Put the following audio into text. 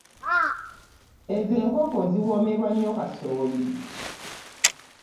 Ezo enkoko ziwomerwa nnyo kasooli.